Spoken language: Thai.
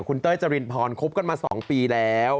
คุณเต้ยจรินพรคบกันมา๒ปีแล้ว